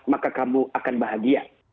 maka kamu akan bahagia